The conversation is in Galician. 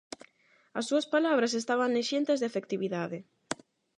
As súas palabras estaban exentas de afectividade.